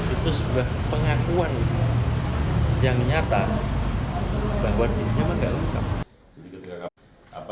itu sebuah pengakuan yang nyata bahwa dinyatakan nggak lengkap